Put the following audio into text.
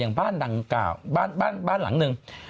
ยังบ้านหลังหนึ่ง